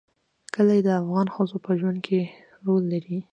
کلي د افغان ښځو په ژوند کې رول لري.